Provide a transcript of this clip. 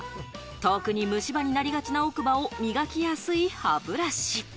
特に虫歯になりがちな奥歯を磨きやすい歯ブラシ。